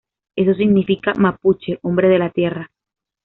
Eso significa mapuche: hombre de la tierra".